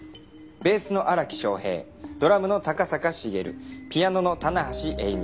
ベースの荒木昇平ドラムの高坂茂ピアノの棚橋詠美。